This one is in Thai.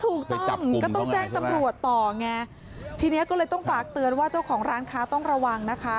ถูกต้องก็ต้องแจ้งตำรวจต่อไงทีนี้ก็เลยต้องฝากเตือนว่าเจ้าของร้านค้าต้องระวังนะคะ